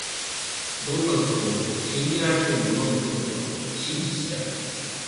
どんな嘘でも、信じられる者にとっては真実である。